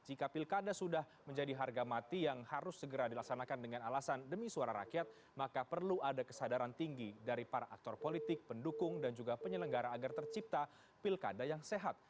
jika pilkada sudah menjadi harga mati yang harus segera dilaksanakan dengan alasan demi suara rakyat maka perlu ada kesadaran tinggi dari para aktor politik pendukung dan juga penyelenggara agar tercipta pilkada yang sehat